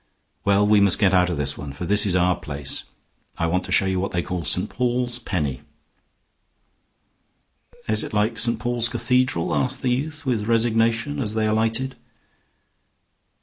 Well, we must get out of this one, for this is our place. I want to show you what they call St. Paul's Penny." "Is it like St. Paul's Cathedral?" asked the youth with resignation, as they alighted.